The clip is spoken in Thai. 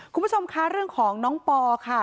คุณผู้ชมคะเรื่องของน้องปอค่ะ